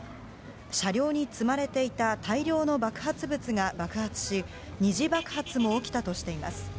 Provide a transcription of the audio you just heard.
車両に積まれていた大量の爆発物が爆発し二次爆発も起きたとしています。